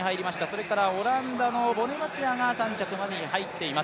それからオランダのボネバチアが３着までに入っています。